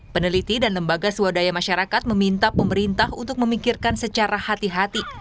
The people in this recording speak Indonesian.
peneliti dan lembaga swadaya masyarakat meminta pemerintah untuk memikirkan secara hati hati